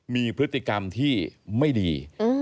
มีพฤติกรรมที่ไม่ดี